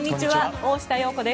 大下容子です。